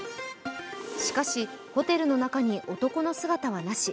しかし、ホテルの中に男の姿はなし。